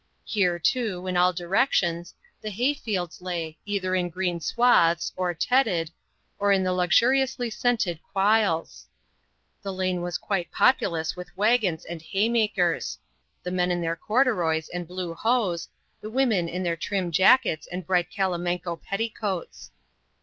Here, too, in all directions, the hay fields lay, either in green swathes, or tedded, or in the luxuriously scented quiles. The lane was quite populous with waggons and hay makers the men in their corduroys and blue hose the women in their trim jackets and bright calamanco petticoats.